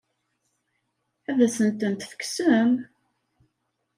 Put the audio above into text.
Ad asen-tent-tekksem?